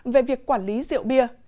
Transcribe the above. về việc quản lý rượu bia